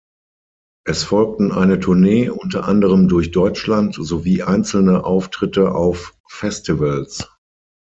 Es folgten eine Tournee, unter anderem durch Deutschland, sowie einzelne Auftritte auf Festivals.